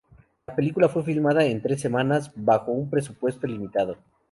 La película fue filmada en tres semanas, bajo un presupuesto limitado.